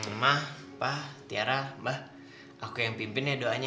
emah pa tiara mbah aku yang pimpin ya doanya